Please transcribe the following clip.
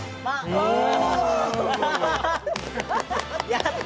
やった！